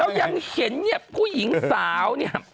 แล้วยังเห็นผู้หญิงสาวนี่